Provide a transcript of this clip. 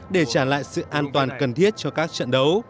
để trả lại sự an toàn cần thiết cho các trận đấu